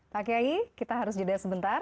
pak kiai kita harus jeda sebentar